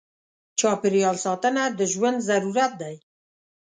چاپېریال ساتنه د ژوند ضرورت دی.